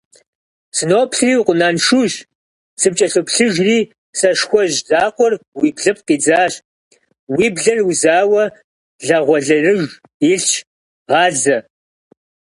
Сыноплъыри укъунаншущ, сыпкӀэлъоплъыжри сэшхуэжь закъуэр уи блыпкъ идзащ, уи блэр узауэ лагъуэлэрыж илъщ, гъазэ.